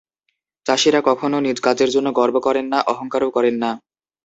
চাষীরা কখনো নিজ কাজের জন্য গর্ব করেন না, অহংকারও করেন না।